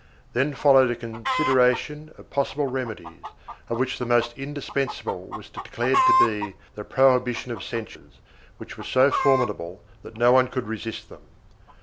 Then followed a consideration of possible remedies, of which the most indis pensable was declared to be the prohibition of censures, which were so formidable that no one could resist them.